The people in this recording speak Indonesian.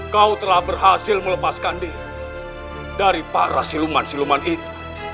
kau telah berhasil melepaskan diri dari para siluman siluman itu